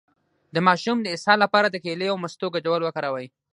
د ماشوم د اسهال لپاره د کیلې او مستو ګډول وکاروئ